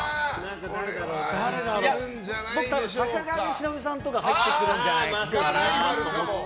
僕は坂上忍さんとか入ってくるんじゃないかなと。